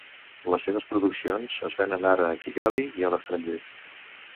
Les seves produccions es venen ara a Kigali i a l'estranger.